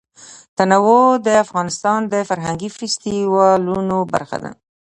تنوع د افغانستان د فرهنګي فستیوالونو برخه ده.